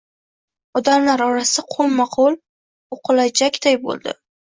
Odamlar orasida qo‘lma-qo‘l... o‘qilajaqday bo‘ldi.